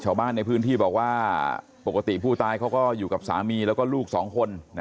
ชาวบ้านในพื้นที่บอกว่าปกติผู้ตายเขาก็อยู่กับสามีแล้วก็ลูกสองคน